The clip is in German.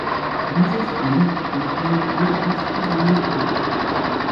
Dieses Amt behielt er bis zu seinem Tod.